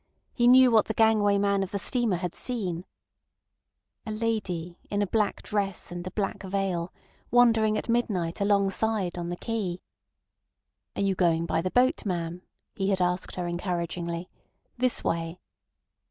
He knew what the gangway man of the steamer had seen: "A lady in a black dress and a black veil, wandering at midnight alongside, on the quay. 'Are you going by the boat, ma'am,' he had asked her encouragingly. 'This way.